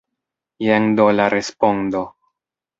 Jen do la respondo.